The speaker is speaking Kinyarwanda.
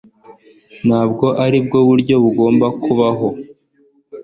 Ntabwo aribwo buryo bugomba kubaho